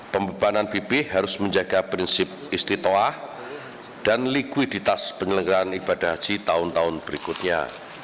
pembebanan bpih harus menjaga prinsip istitoah dan likuiditas penyelenggaraan ibadah haji tahun tahun berikutnya